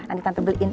nanti tante beliin